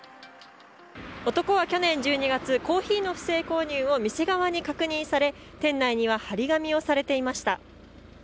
男は去年１２月コーヒーの不正購入を店側に確認され店内には貼り紙をされていました。